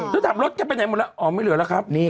ก็ทำรถแกะไปไหนหมดละอ๋อไม่เหลือแล้วครับ